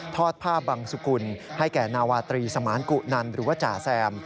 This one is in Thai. อดผ้าบังสุกุลให้แก่นาวาตรีสมานกุนันหรือว่าจ่าแซม